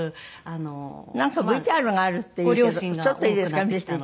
なんかＶＴＲがあるっていうけどちょっといいですか？